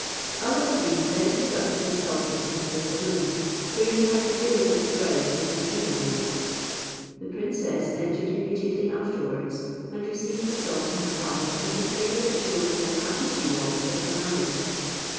Alla ad Deen then conducted the sultan into the saloon where he had regaled his bride the preceding night. The princess entered immediately afterwards, and received the sultan her father with an air that showed how happy she was with her marriage.